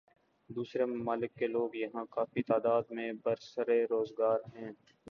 دوسرے ممالک کے لوگ یہاں کافی تعداد میں برسر روزگار ہیں